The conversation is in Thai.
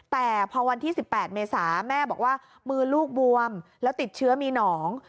แต่พอวันที่๑๘เมษาแม่บอกว่ามือลูกบวมแล้วติดเชื้อมีหนอง